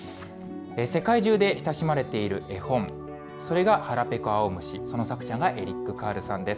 世界中で親しまれている絵本、それがはらぺこあおむし、その作者がエリック・カールさんです。